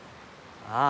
ああ。